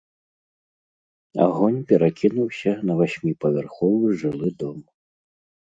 Агонь перакінуўся на васьміпавярховы жылы дом.